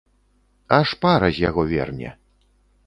Аж пара з яго верне.